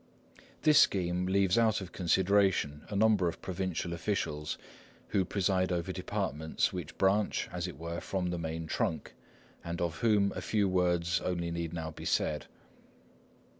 This scheme leaves out of consideration a number of provincial officials, who preside over departments which branch, as it were, from the main trunk, and of whom a few words only need now be said.